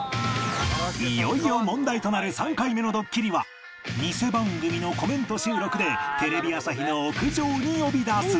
いよいよ問題となる３回目のドッキリは偽番組のコメント収録でテレビ朝日の屋上に呼び出す